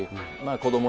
子ども